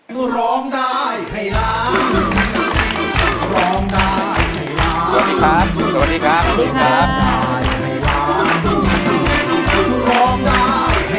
สวัสดีครับ